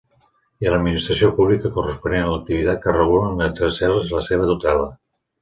I l'administració pública corresponent a l'activitat que regulen n'exerceix la seva tutela.